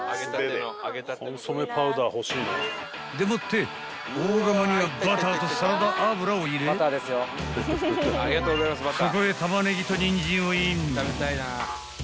［でもって大釜にはバターとサラダ油を入れそこへタマネギとニンジンをイン］